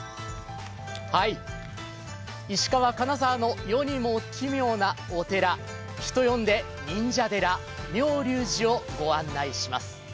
石川・金沢の世にも奇妙なお寺、人呼んで忍者寺・妙立寺をご案内します。